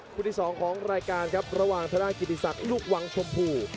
คุณที่สองของรายการครับระหว่างทางด้านกินที่สังพยายามลูกวังชมพู